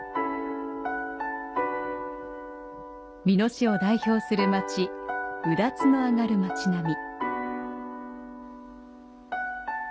美濃市を代表する町、「うだつ」の上がる町並み。